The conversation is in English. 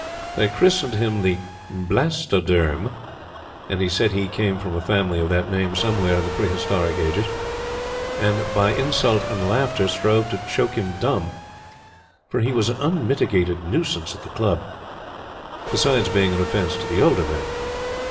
They christened him the "Blastoderm" he said he came from a family of that name somewhere, in the pre historic ages and, by insult and laughter, strove to choke him dumb, for he was an unmitigated nuisance at the Club; besides being an offence to the older men.